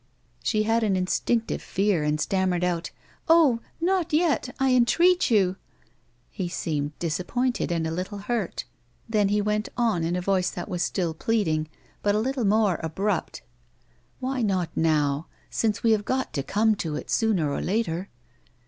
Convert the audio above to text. She had an instinctive fear, and stammered out :'•' Oh. not yet, I entreat you." He seemed disappointed and a little hurt ; then he went A WOMAN'S LIFE. 59 on in a voice that was still pleading, but a little more abrupt :" "Why not now, since we have got to come to it sooner or later?"